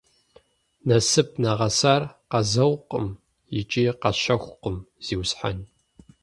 Насып нэгъэсар къазэукъым икӀи къащэхукъым, зиусхьэн.